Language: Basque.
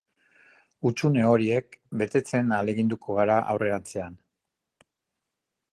Hutsune horiek betetzen ahaleginduko gara aurrerantzean.